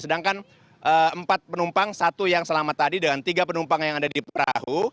sedangkan empat penumpang satu yang selamat tadi dengan tiga penumpang yang ada di perahu